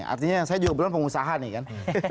artinya saya juga bilang pengusaha nih kan